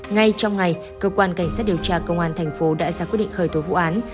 ngay trong ngày cơ quan cảnh sát điều tra công an thành phố đã ra quyết định khởi tố vụ án